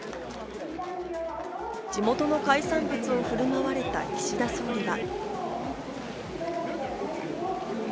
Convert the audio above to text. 地元の海産物を振る舞われた岸田総理は。